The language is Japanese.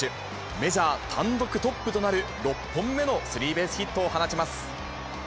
メジャー単独トップとなる６本目のスリーベースヒットを放ちます。